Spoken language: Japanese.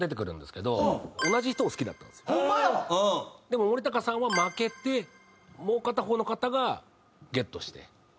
でも森高さんは負けてもう片方の方がゲットして。